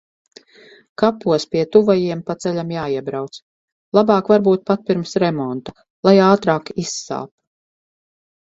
Kapos pie tuvajiem pa ceļam jāiebrauc. Labāk varbūt pat pirms remonta, lai ātrāk izsāp.